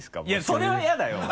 それは嫌だよ！